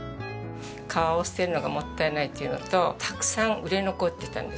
皮を捨てるのがもったいないっていうのとたくさん売れ残ってたんですよ。